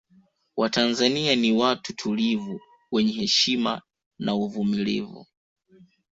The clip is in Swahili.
Watanzania ni watu tulivu wenye heshima na uvumulivu